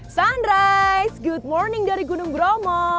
sunrise good morning dari gunung bromo